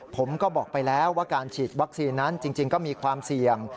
ผมก็บอกไปแล้วว่าการฉีดวัคซีนนั้นจริงก็มีความเสี่ยง